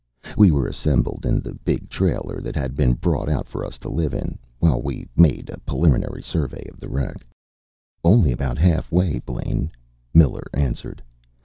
We were assembled in the big trailer that had been brought out for us to live in, while we made a preliminary survey of the wreck. "Only about halfway, Blaine," Miller answered.